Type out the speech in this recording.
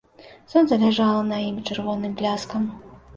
Сонца ляжала на ім чырвоным бляскам.